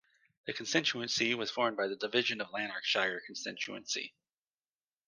The constituency was formed by the division of Lanarkshire constituency.